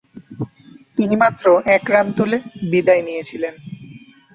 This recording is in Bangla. তিনি মাত্র এক রান তুলে বিদেয় নিয়েছিলেন।